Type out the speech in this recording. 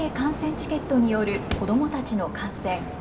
チケットによる子どもたちの観戦。